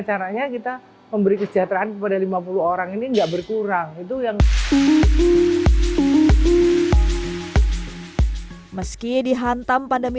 caranya kita memberi kesejahteraan kepada lima puluh orang ini enggak berkurang itu yang meski dihantam pandemi